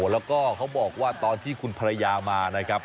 แล้วก็เขาบอกว่าตอนที่คุณภรรยามานะครับ